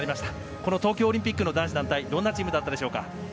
この東京オリンピックの男子団体、どんなチームだったでしょうか。